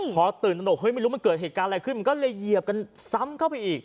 พอตื่นตนกเฮ้ไม่รู้มันเกิดเหตุการณ์อะไรขึ้นมันก็เลยเหยียบกันซ้ำเข้าไปอีก